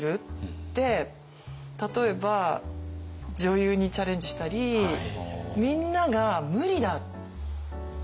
で例えば女優にチャレンジしたりみんなが「無理だ！」って反対したんです。